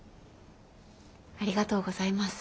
ありがとうございます。